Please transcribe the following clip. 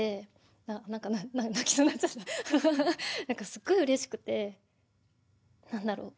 すごいうれしくて何だろう